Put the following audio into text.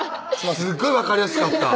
すっごい分かりやすかった